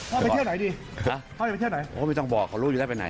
ไปเที่ยวไหนดีพ่อจะไปเที่ยวไหนผมก็ไม่ต้องบอกเขารู้อยู่แล้วไปไหน